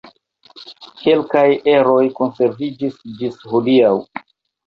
Kelkaj eroj konserviĝis ĝis hodiaŭ.